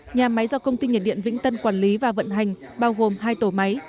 nhà máy do công ty nhiệt điện vĩnh tân quản lý và vận hành bao gồm hai tổ máy